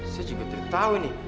saya juga tidak tahu ini